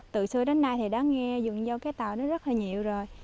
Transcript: từ xưa đến nay thì đã nghe vườn dâu cái tàu nó rất là nhiều rồi